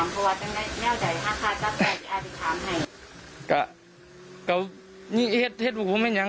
แปปไม่มีความรับผิดใจ